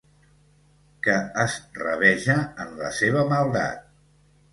Que es rabeja en la seva maldat.